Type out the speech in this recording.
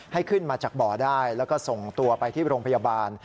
ให้ขึ้นมาจากบ่อได้แล้วก็ส่งตัวไปที่โรงพยาบาล